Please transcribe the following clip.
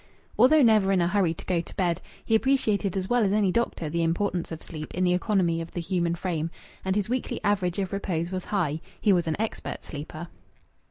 Although never in a hurry to go to bed, he appreciated as well as any doctor the importance of sleep in the economy of the human frame, and his weekly average of repose was high; he was an expert sleeper.